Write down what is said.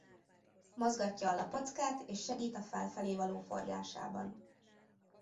Mozgatja a lapockát és segít a felfelé való forgásában.